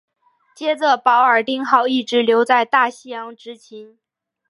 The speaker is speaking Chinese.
接着保尔丁号一直留在大西洋执勤。